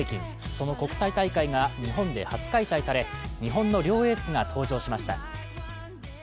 その国際大会が日本で初開催され日本の両エースが登場しました。